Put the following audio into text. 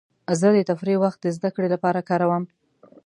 زه د تفریح وخت د زدهکړې لپاره کاروم.